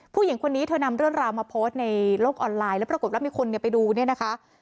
ผู้หญิงคนนี้เธอนำเรื่องราวมาโพสต์ในโลกออนไลน์แล้วปรากฏว่ามีคนไปดูเนี่ยนะคะ